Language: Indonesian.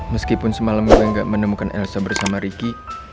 meskipun semalam gue gak menemukan elsa bersama ricky